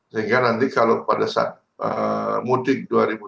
sehingga nanti kalau pada saat mudik dua ribu dua puluh